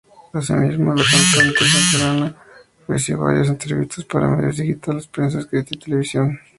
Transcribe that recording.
Asimismo, la cantante catalana ofreció varias entrevistas para medios digitales, prensa escrita y televisión.